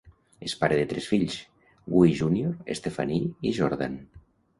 És pare de tres fills: Guy Junior, Stephanie i Jordan.